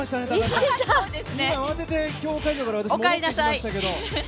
みんな慌てて競技会場から私、戻ってきましたけど。